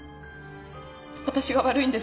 私が悪いんです。